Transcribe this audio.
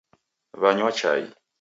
Wanywa chai